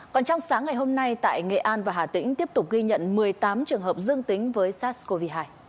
còn trong sáng ngày hôm nay tại nghệ an và hà tĩnh tiếp tục ghi nhận một mươi tám trường hợp dương tính với sars cov hai